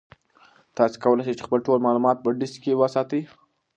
تاسي کولای شئ خپل ټول معلومات په ډیسک کې وساتئ.